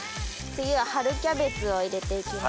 次は春キャベツを入れていきます。